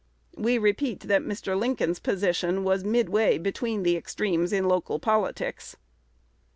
We repeat that Mr. Lincoln's position was midway between the extremes in local politics.